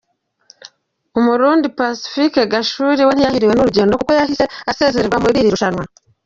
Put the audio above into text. Umurundi Pacifique Gachuri we ntiyahiriwe n’urugendo kuko yahise asezererwa muri iri rushanwa.